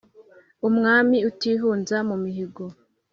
umwami utihunza mu mihigo